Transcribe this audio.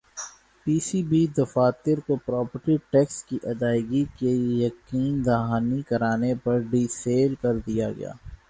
پی C B دفاتر کو property tax کی ادائیگی کی یقین دہانی کرانے پر ڈی سیل کر دیا گیا